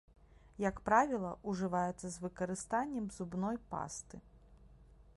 Як правіла, ужываецца з выкарыстаннем зубной пасты.